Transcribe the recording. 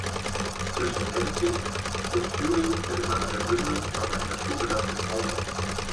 Zwischen Nenzing und Thüringen findet man an der Mündung noch einen naturbelassenen Auwald.